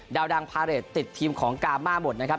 ดังพาเรทติดทีมของกามาหมดนะครับ